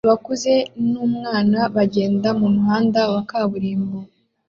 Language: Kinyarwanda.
Abakuze n'umwana bagenda mumuhanda wa kaburimbo